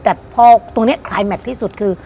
แต่ตรงนี้คลายแมทที่สุดคือ